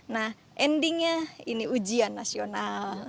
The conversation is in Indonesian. nah endingnya ini ujian nasional